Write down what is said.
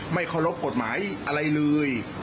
ไม่เคารพกฎหมายอะไรเลย